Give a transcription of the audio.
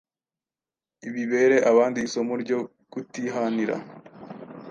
bibere abandi isomo ryo kutihanira